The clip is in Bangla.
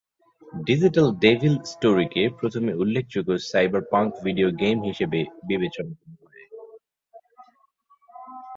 ডিজিটাল ডেভিল স্টোরিকে প্রথম উল্লেখযোগ্য সাইবারপাঙ্ক ভিডিও গেম হিসেবে বিবেচনা করা হয়।